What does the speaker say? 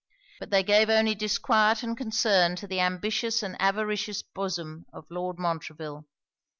But they gave only disquiet and concern to the ambitious and avaricious bosom of Lord Montreville.